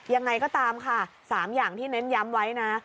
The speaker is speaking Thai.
ยังไงก็ตามค่ะ๓อย่างที่เน้นย้ำไว้นะ